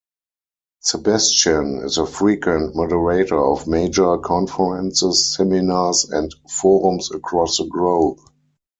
Sebastian is a frequent moderator of major conferences, seminars and forums across the globe.